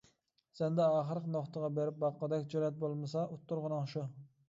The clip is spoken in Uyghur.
سەندە ئاخىرقى نۇقتىغا بېرىپ باققۇدەك جۈرئەت بولمىسا، ئۇتتۇرغىنىڭ شۇ.